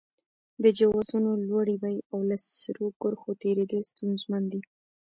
د جوازونو لوړې بیې او له سرو کرښو تېرېدل ستونزمن دي.